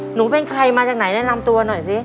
หนูเป็นใครมาจากไหนแนะนำตัว